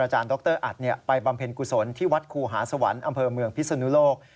ดรอัดไปบำเพ็ญกุศลที่วัดครูหาสวรรค์อำเภอเมืองพิศนุโลก